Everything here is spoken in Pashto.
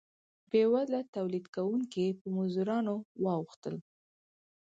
بیوزله تولید کوونکي په مزدورانو واوښتل.